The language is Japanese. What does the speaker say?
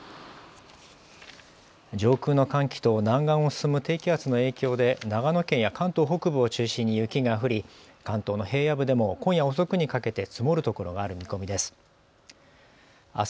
上空の寒気と南岸を進む低気圧の影響で長野県や関東北部を中心に雪が降り、関東の平野部でも今夜遅くにかけて積もる所がある見込みです。